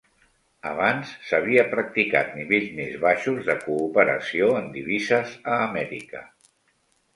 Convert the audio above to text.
Abans s'havia practicat nivells més baixos de cooperació en divises a Amèrica.